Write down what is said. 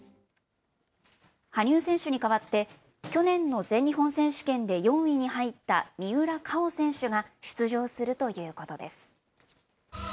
羽生選手に代わって、去年の全日本選手権で４位に入った三浦佳生選手が、出場するということです。